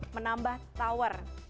untuk menambah tower